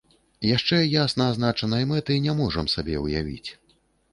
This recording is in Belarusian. Яшчэ ясна азначанай мэты не можам сабе ўявіць.